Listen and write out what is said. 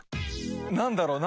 何だろう？